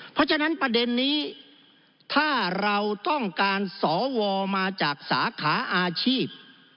เพราะฉะนั้นประเด็นนี้ถ้าเราต้องการสวมาจากสาขาอาชีพ